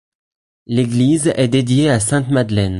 L'église est dédiée à Sainte-Madeleine.